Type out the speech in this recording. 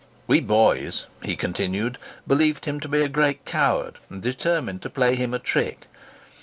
We boys," he continued, "believed him to be a great coward, and determined to play him a trick.